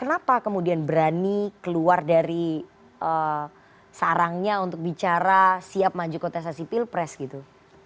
kenapa kemudian berani keluar dari sarangnya untuk bicara siap maju kontestasi pilpres gitu